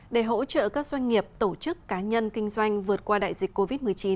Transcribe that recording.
để hỗ trợ các doanh nghiệp tổ chức cá nhân kinh doanh vượt qua đại dịch covid một mươi chín